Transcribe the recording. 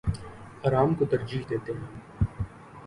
آرام کو ترجیح دیتے ہیں